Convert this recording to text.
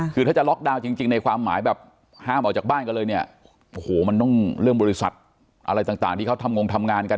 คือถ้าจะล็อกดาวน์จริงในความหมายแบบห้ามออกจากบ้านกันเลยเนี่ยโอ้โหมันต้องเรื่องบริษัทอะไรต่างที่เขาทำงงทำงานกัน